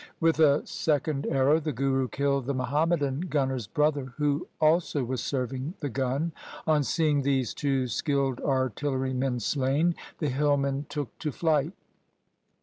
With a second arrow the Guru killed the Muham madan gunner's brother who also was serving the gun. On seeing these two skilled artillerymen slain, the hillmen took to flight.